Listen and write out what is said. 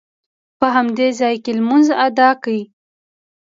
په همدې ځاې کې لمونځ ادا کړ.